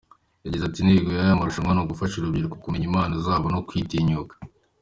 Yagize ati” Intego y’aya marushanwa ni ugufasha urubyiruko kumenya impano zabo no kwitinyuka.